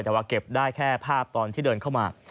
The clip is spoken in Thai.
แต่ว่าเก็บได้แค่ภาพตอนที่เดินเข้ามา